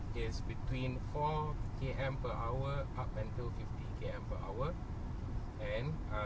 แล้วกลุ่มการเปิดจะมี๑๔ฟิตในแถวของการได้